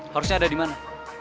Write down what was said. harusnya ada dimana